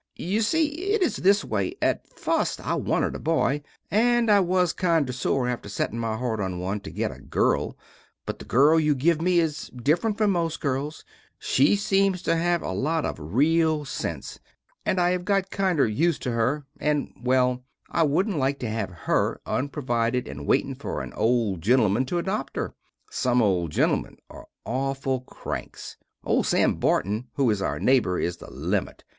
You see it is this way, at fust I wanted a boy and I was kinder sore after setting my heart on one to get a girl, but the girl you give me is diferent from most girls, she seams to have a lot of rele sense, and I have got kinder used to her, and, well I woodnt like to have her unprovided and waitin fer a old gentleman to adop her. Some old gentlemen are auful cranks. Old Sam Burton who is our naybor is the limit.